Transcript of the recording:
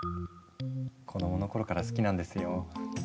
子供の頃から好きなんですよ。